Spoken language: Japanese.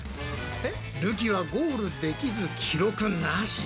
るきはゴールできず記録なし。